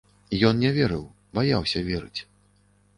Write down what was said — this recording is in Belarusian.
Ён не верыў, баяўся верыць.